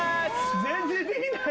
全然できない。